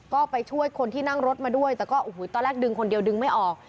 ก็ไปช่วยคนที่นั่งรถมาด้วยแต่ก็โอ้โหตอนแรกดึงคนเดียวดึงไม่ออก